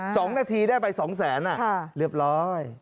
อ่า๒นาทีได้ไป๒แสนอ่ะค่ะเรียบร้อย